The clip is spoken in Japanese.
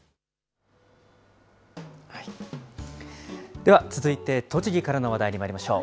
では、続いて栃木からの話題にまいりましょう。